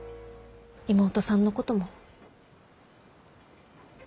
妹さんのことも。